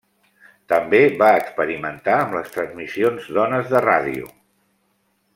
També va experimentar amb les transmissions d'ones de ràdio.